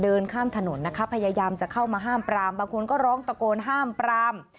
เดินข้ามถนนนะคะพยายามจะเข้ามาห้ามปรามบางคนก็ร้องตะโกนห้ามปราม